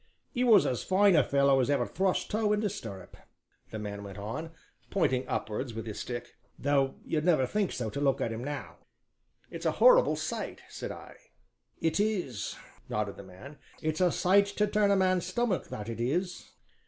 "He was as fine a fellow as ever thrust toe into stirrup," the man went on, pointing upwards with his stick, "though you'd never think so to look at him now!" "It's a horrible sight!" said I. "It is," nodded the man, "it's a sight to turn a man's stomach, that it is!"